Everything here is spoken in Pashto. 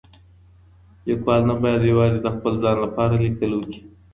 ليکوال نه بايد يوازي د خپل ځان لپاره ليکل وکړي.